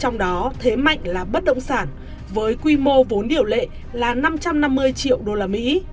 trong đó thế mạnh là bất động sản với quy mô vốn điểu lệ là năm trăm năm mươi triệu usd